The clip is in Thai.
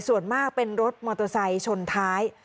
ส่วนมากเป็นรถมอเตอร์ไซค์ชนท้าย